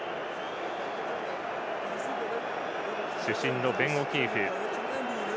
主審のベン・オキーフ。